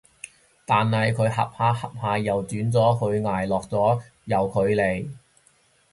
但係佢恰下恰下又轉咗去挨落咗右隔離